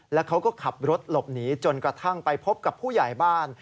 แล้วเขาก็ขับรถหลบหนีจนกระทั่งไปพบกับผู้ใหญ่บ้าน